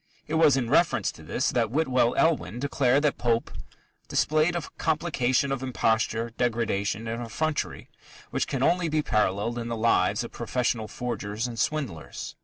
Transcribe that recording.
It was in reference to this that Whitwell Elwin declared that Pope "displayed a complication of imposture, degradation, and effrontery which can only be paralleled in the lives of professional forgers and swindlers."